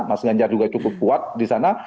mas ganjar juga cukup kuat di sana